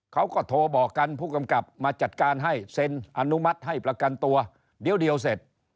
เขาก็โทรบอกกันผู้กำกับมาจัดการให้เซ็นอนุมัติให้ประกันตัวเดี๋ยวเสร็จ